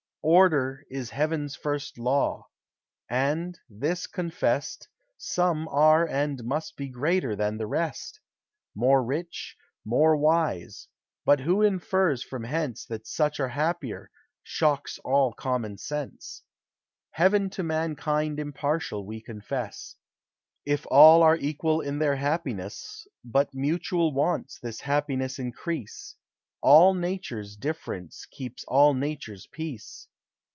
Order is Heaven's first law: and, this confest, Some are and must be greater than the rest, More rich, more wise; but who infers from hence That such are happier, shocks all common sense. Heaven to mankind impartial we confess, If all are equal in their happiness: But mutual wants this happiness increase; All nature's difference keeps all nature's peace.